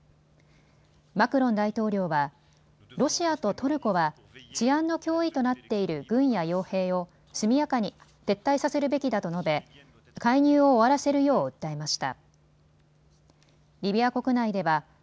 マクロン大統領はロシアとトルコは治安の脅威となっている軍やよう兵を速やかに撤退させるべきだと述べ介入を終わらせるよう訴えました。